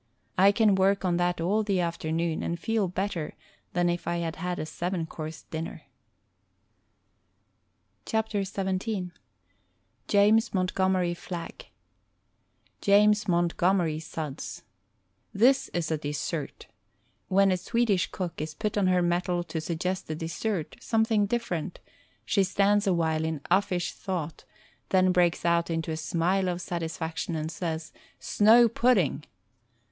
I can work on that all the afternoon and feel better than if I had had a seven course dinner. WRITTEN FOR MEN BY MEN xvin James Montgomery Flagg "JAMES MONTGOMERY SUDS" This is a dessert. When a Swedish cook is put on her mettle to suggest a dessert — something different — she stands a while in ufEsh thought, then breaks out into a smile of satisfaction and says "Snow Pudding"